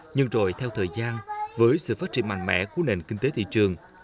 nhưng rồi theo thời gian với sự phát triển mạnh mẽ của nền kinh tế thị trường